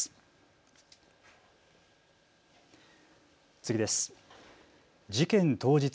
次です。